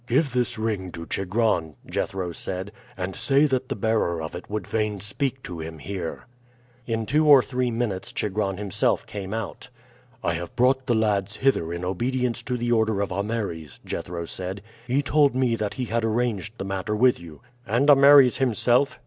"Give this ring to Chigron," Jethro said, "and say that the bearer of it would fain speak to him here." In two or three minutes Chigron himself came out. "I have brought the lads hither in obedience to the order of Ameres," Jethro said. "He told me that he had arranged the matter with you." "And Ameres himself?"